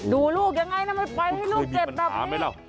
ดูลูกอย่างไรทำไมไปให้ลูกเจ็บแบบนี้